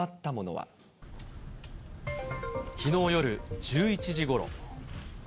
きのう夜１１時ごろ。